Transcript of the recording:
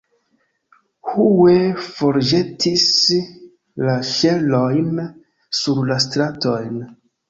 Hue forĵetis la ŝelojn sur la stratojn.